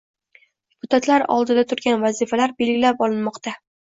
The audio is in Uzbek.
Deputatlar oldida turgan vazifalar belgilab olinmoqdang